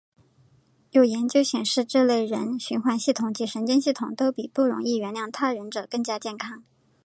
有研究显示这类人的循环系统及神经系统都比不容易原谅他人者更加健康。